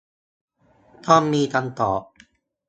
ต้องมีคำตอบ